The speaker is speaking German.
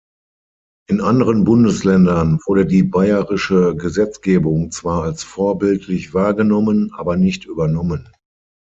In anderen Bundesländern wurde die bayerische Gesetzgebung zwar als vorbildlich wahrgenommen, aber nicht übernommen.